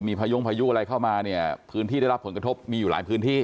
มีพายุงพายุอะไรเข้ามาเนี่ยพื้นที่ได้รับผลกระทบมีอยู่หลายพื้นที่